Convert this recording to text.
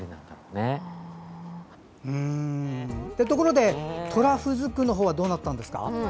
ところでトラフズクのほうはどうなったんですか？